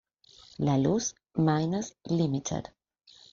La Luz Mines Ltd.